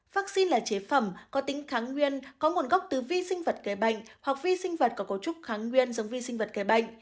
vắc xin là chế phẩm có tính kháng nguyên có nguồn gốc từ vi sinh vật gây bệnh hoặc vi sinh vật có cấu trúc kháng nguyên giống vi sinh vật gây bệnh